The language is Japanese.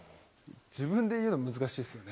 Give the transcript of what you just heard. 自分で言うの難しいですよね。